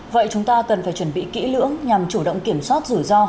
vậy chúng ta cần phải chuẩn bị kỹ lưỡng nhằm chủ động kiểm soát rủi ro